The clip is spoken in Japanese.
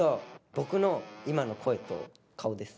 僕の今の声と顔です。